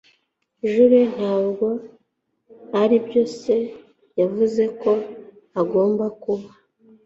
Jule ntabwo aribyo se yavuze ko agomba kuba.